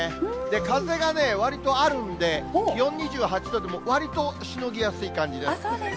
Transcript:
風がわりとあるんで、気温２８度でも、わりとしのぎやすい感じです。